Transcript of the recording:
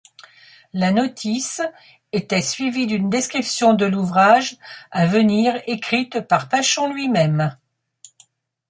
La notice était suivie d’une description de l’ouvrage à venir écrite par Pynchon lui-même.